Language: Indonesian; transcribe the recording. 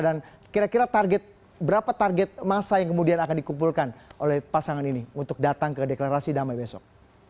dan kira kira target berapa target masa yang kemudian akan dikumpulkan oleh pasangan ini untuk datang ke deklarasi damai besok